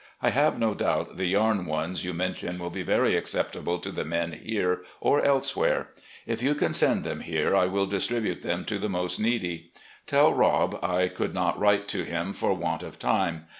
I have no doubt the yam ones you mention will be very ac ceptable to the men here or elsewhere. If you can send them here, I will distribute them to the most needy. Tell Rob I could not write to him for want of time.